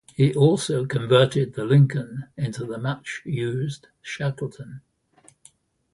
He also converted the Lincoln into the much-used Shackleton.